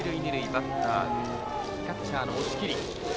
バッターはキャッチャーの押切。